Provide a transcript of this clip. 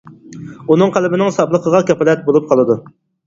ئۇنىڭ قەلبىنىڭ ساپلىقىغا كاپالەت بولۇپ قالىدۇ.